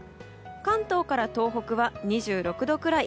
関東から東北は２６度くらい。